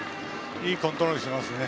いいコントロールしていますね。